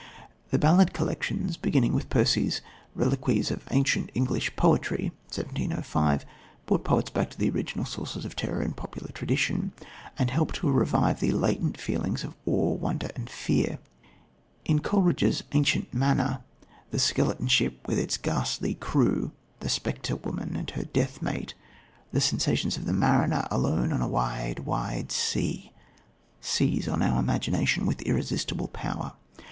The Ballad collections, beginning with Percy's Reliques of Ancient English Poetry (1705), brought poets back to the original sources of terror in popular tradition, and helped to revive the latent feelings of awe, wonder and fear. In Coleridge's Ancient Manner the skeleton ship with its ghastly crew the spectre woman and her deathmate the sensations of the mariner, alone on a wide, wide sea, seize on our imagination with irresistible power.